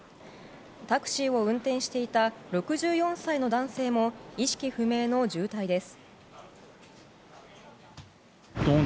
タクシーを運転していた６４歳の男性も意識不明の重体です。